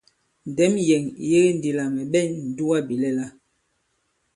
Ndɛ̌m yɛ̀ŋ ì yege ndī lā mɛ̀ ɓɛ ǹdugabìlɛla.